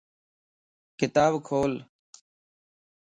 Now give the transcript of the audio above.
ڪتاب کول